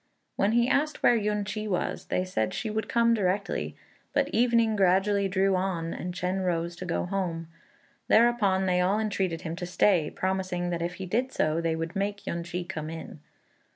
When he asked where Yün ch'i was, they said she would come directly; but evening gradually drew on and Chên rose to go home. Thereupon they all entreated him to stay, promising that if he did so they would make Yün ch'i come in.